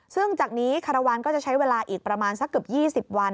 ซึ่งจากนี้คารวาลก็จะใช้เวลาอีกประมาณสักเกือบ๒๐วัน